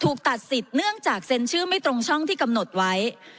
ตัดสิทธิ์เนื่องจากเซ็นชื่อไม่ตรงช่องที่กำหนดไว้